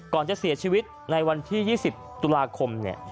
ก่อนจะเสียชีวิตในวันที่๒๐ตุลาคม